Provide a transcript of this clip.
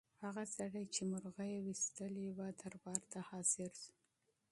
هغه سړی چې مرغۍ یې ویشتلې وه دربار ته حاضر شو.